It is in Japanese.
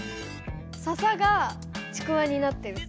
ササがちくわになってる。